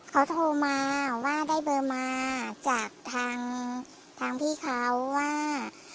เขาโทรมาว่าได้เบอร์มาจากทางพี่เขาว่า